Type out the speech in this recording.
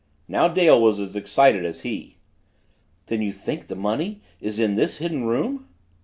'" Now Dale was as excited as he. "Then you think the money is in this hidden room?"